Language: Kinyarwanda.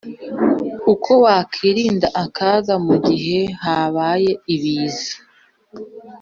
Uko wakwirinda akaga mu gihe habaye ibiza